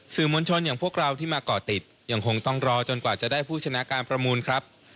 มวลชนอย่างพวกเราที่มาก่อติดยังคงต้องรอจนกว่าจะได้ผู้ชนะการประมูลครับ